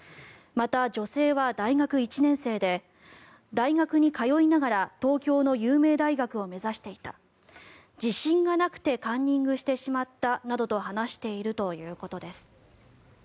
また、女性は大学１年生で大学に通いながら東京の有名大学を目指していた自信がなくてカンニングしてしまったなどと話しているということです。